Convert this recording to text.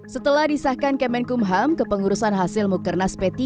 setelah disahkan kemenkumham ke pengurusan hasil mukernas p tiga